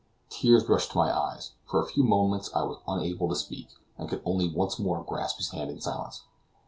Tears rushed to my eyes; for a few moments I was unable to speak, and could only once more grasp his hand in silence.